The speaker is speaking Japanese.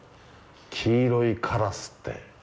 「黄色いカラス」って。